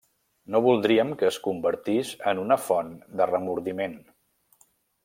No voldríem que es convertís en una font de remordiment.